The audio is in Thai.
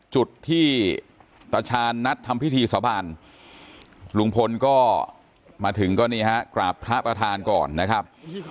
จุดที่ตาชาญนัดทำพิธีสาบานลุงพลก็มาถึงก็นี่ฮะกราบพระประธานก่อนนะครับ